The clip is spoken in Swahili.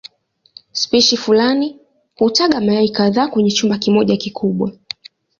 Spishi fulani hutaga mayai kadhaa kwenye chumba kimoja kikubwa.